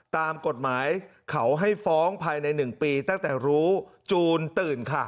ตามกฎหมายเขาให้ฟ้องภายใน๑ปีตั้งแต่รู้จูนตื่นค่ะ